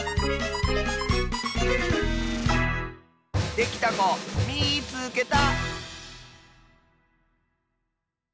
できたこみいつけた！